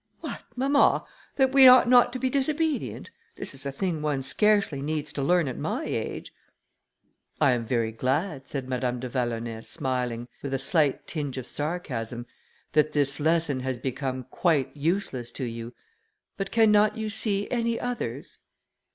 "What! mamma, that we ought not to be disobedient? this is a thing one scarcely needs to learn at my age." "I am very glad," said Madame de Vallonay, smiling, with a slight tinge of sarcasm, "that this lesson has become quite useless to you. But cannot you see any others?"